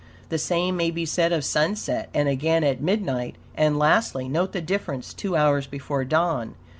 The same may be said of sunset, and again at midnight; and, lastly, note the difference two hours before dawn.